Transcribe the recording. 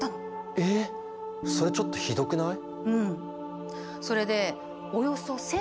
それちょっとひどくない？